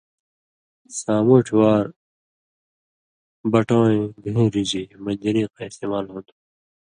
ساموٹھیۡ وار 'بٹہ وَیں گَھیں رِزی' منجنیقاں استعمال ہُون٘دوۡ: